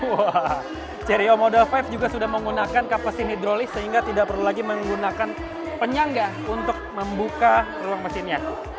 wah cerio moda lima juga sudah menggunakan kapasitas hidrolis sehingga tidak perlu lagi menggunakan penyangga untuk membuka ruang mesinnya